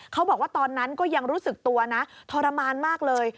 เขาบอกว่าตอนนั้นก็ยังรู้สึกตัวนะทรมานมากเลย